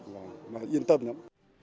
và yên tâm lắm